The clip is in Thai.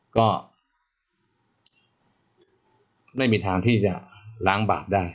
ก็ไม่มีทางที่จะล้างบาปได้